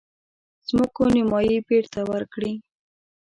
مځکو نیمايي بیرته ورکړي.